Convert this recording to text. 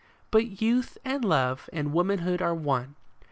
But youth and love and womanhood are one.